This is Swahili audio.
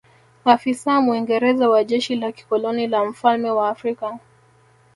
Afisa Mwingereza wa jeshi la kikoloni la mfalme wa Afrika